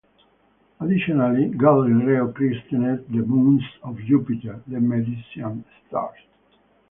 Additionally, Galileo christened the moons of Jupiter the "Medicean stars".